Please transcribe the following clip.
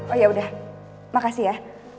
oh yaudah makasih ya